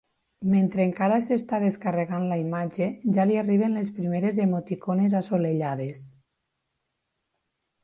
Mentre encara s'està descarregant la imatge ja li arriben les primeres emoticones assolellades.